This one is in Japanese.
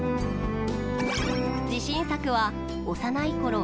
自信作は幼いころ